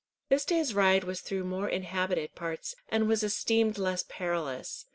This day's ride was through more inhabited parts, and was esteemed less perilous.